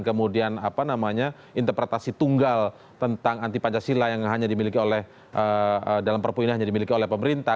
kemudian apa namanya interpretasi tunggal tentang anti pancasila yang hanya dimiliki oleh dalam perpu ini hanya dimiliki oleh pemerintah